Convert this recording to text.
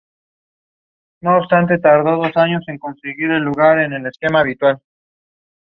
At the time the company also planned to enter the solar power industry.